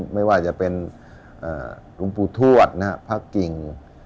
ไม่ว่าจะเป็นกุมปูทวดนะครับพระกิ่ง